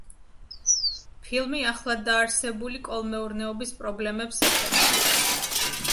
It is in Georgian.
ფილმი ახლადდაარსებული კოლმეურნეობის პრობლემებს ეხება.